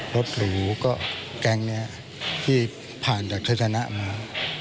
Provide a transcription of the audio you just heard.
รถหรูก็แก๊งนี้ที่ผ่านจากทัศนะมา